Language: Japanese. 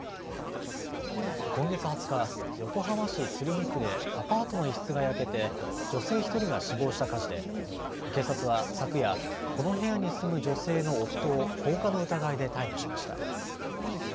今月２０日、横浜市鶴見区でアパートの一室が焼けて女性１人が死亡した火事で、警察は昨夜、この部屋に住む女性の夫を放火の疑いで逮捕しました。